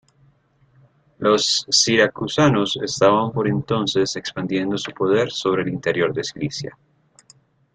Los siracusanos estaban por entonces expandiendo su poder sobre el interior de Sicilia.